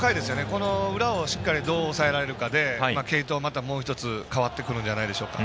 この裏をどう抑えられるかで継投が、またもう１つ変わってくるんじゃないでしょうか。